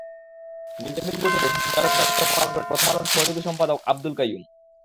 গোলটেবিল বৈঠকে সঞ্চালকের দায়িত্ব পালন করেন প্রথম আলোর সহযোগী সম্পাদক আব্দুল কাইয়ুম।